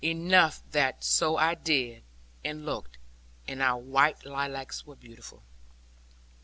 Enough that so I did, and looked; and our white lilacs were beautiful.